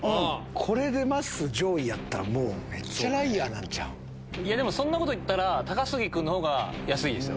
これで上位やったらめっちゃライアーなんちゃう？でもそんなこと言ったら高杉君のほうが安いですよ。